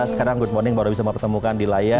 kita sekarang good morning baru bisa bertemukan di layar